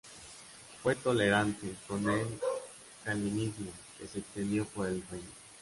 Fue tolerante con el calvinismo que se extendió por el reino.